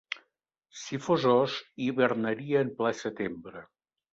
Si fos ós hibernaria en ple setembre.